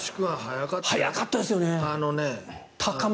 速かったですよね。